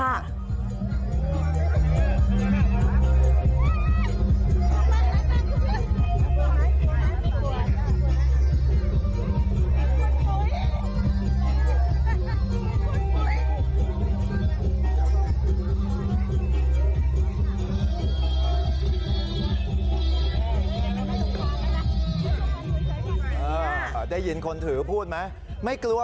เหรอได้ยินคนถือพูดไหมไม่กลัว